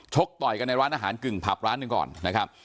ต่อยกันในร้านอาหารกึ่งผับร้านหนึ่งก่อนนะครับ